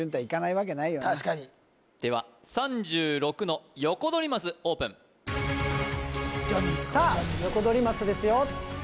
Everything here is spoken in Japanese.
確かにでは３６のヨコドリマスオープンさあヨコドリマスですよ